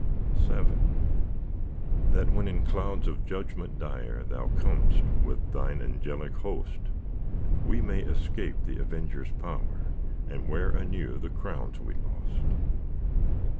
VII That when in clouds of Judgment dire, Thou com'st with Thine angelic host, We may escape the avenger's power, And wear anew the crowns we lost.